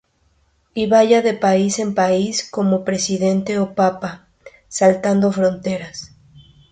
Y vaya de país en país como presidente o papa, saltando fronteras.